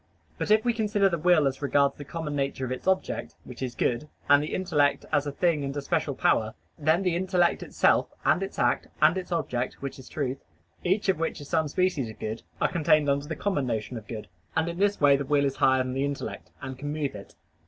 But if we consider the will as regards the common nature of its object, which is good, and the intellect as a thing and a special power; then the intellect itself, and its act, and its object, which is truth, each of which is some species of good, are contained under the common notion of good. And in this way the will is higher than the intellect, and can move it.